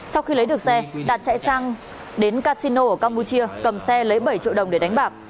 sau khi lấy được xe đạt chạy sang đến casino ở campuchia cầm xe lấy bảy triệu đồng để đánh bạc